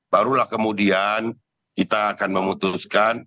barulah kemudian kita akan memutuskan